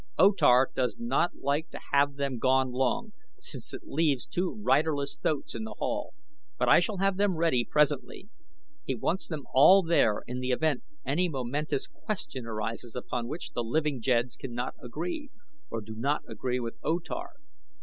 O Tar does not like to have them gone long, since it leaves two riderless thoats in the Hall; but I shall have them ready presently. He wants them all there in the event any momentous question arises upon which the living jeds cannot agree, or do not agree with O Tar.